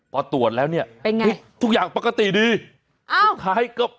พอตรวจแล้วเนี่ยเป็นไงทุกอย่างปกติดีอ่าสุดท้ายก็